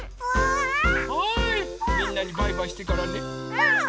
うん！